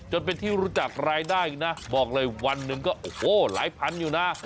จนเป็นที่รู้จักรายได้นะบอกเลยวันหนึ่งก็โอ้โหหลายพันอยู่นะ